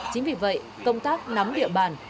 chính vì vậy công tác nắm địa bàn